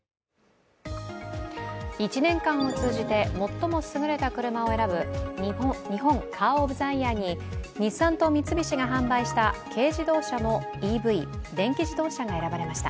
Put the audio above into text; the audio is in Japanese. １年間を通じて最もすぐれた車を選ぶ日本カー・オブ・ザ・イヤーに日産三菱が販売した軽自動車のＥＶ＝電気自動車が選ばれました。